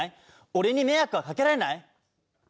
俺に迷惑はかけられない！？